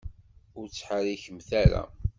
Ur ttḥerrikemt ara!